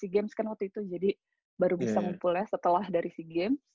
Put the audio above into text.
si games kan waktu itu jadi baru bisa ngumpulnya setelah dari si games